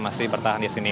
masih bertahan di sini